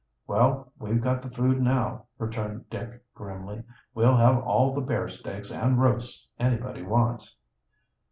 "Well, we've got the food now," returned Dick grimly. "We'll have all the bear steaks and roasts anybody wants."